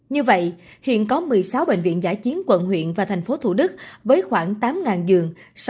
như vậy hiện có một mươi sáu bệnh viện giã chiến quận huyện và thành phố thủ đức với khoảng tám giường